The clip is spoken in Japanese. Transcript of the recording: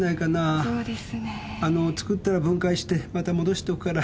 あの作ったら分解してまた戻しておくから。